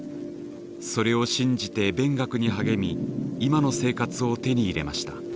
それを信じて勉学に励み今の生活を手に入れました。